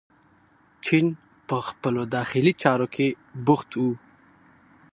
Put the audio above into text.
چین په خپلو داخلي چارو کې بوخت و.